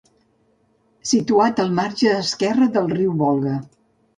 Situat al marge esquerre del riu Volga.